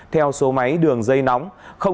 theo số máy đường dây nóng